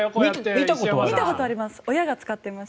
見たことはあります。